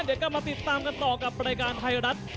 เดี๋ยวกลับมาติดตามกันต่อกับรายการไทยรัฐ